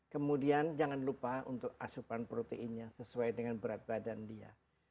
kemudian jangan lupa untuk asupan proteinnya sesuai dengan berat badan dia